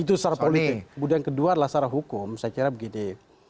itu secara politik kemudian kedua adalah secara hukum saya kira begini